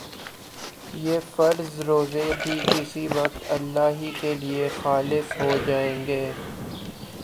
یہ فرض روزے بھی کسی وقت اللہ ہی کے لیے خالص ہو جائیں گے